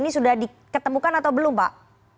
ini sudah diketemukan atau belum pak